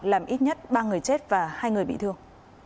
làm ít nhất ba người chết và hai người bị thương